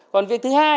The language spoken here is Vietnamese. còn việc thứ hai